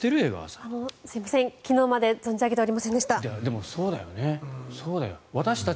すいません、昨日まで存じ上げておりませんでした。